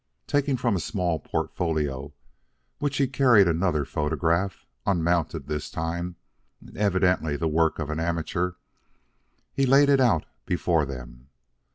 Taking from a small portfolio which he carried another photograph, unmounted this time and evidently the work of an amateur, he laid it out before them.